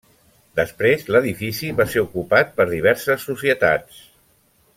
Després, l'edifici va ser ocupat per diverses societats.